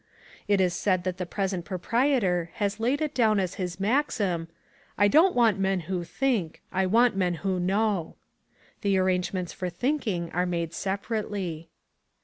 It is said that the present proprietor has laid it down as his maxim, "I don't want men who think; I want men who know." The arrangements for thinking are made separately.